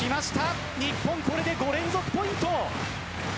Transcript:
日本これで５連続ポイント。